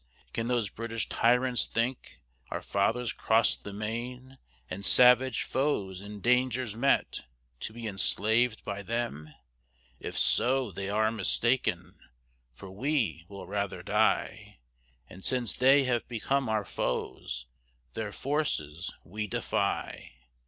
can those British tyrants think, Our fathers cross'd the main, And savage foes, and dangers met, To be enslav'd by them? If so, they are mistaken, For we will rather die; And since they have become our foes, Their forces we defy.